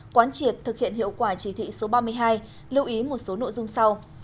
quán triệt thực hiện hiệu quả chỉ thị số ba mươi hai lưu ý một số nội dung sau